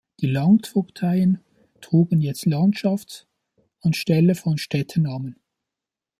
Die Landvogteien trugen jetzt Landschafts- anstelle von Städtenamen.